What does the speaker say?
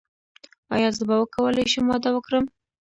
ایا زه به وکولی شم واده وکړم؟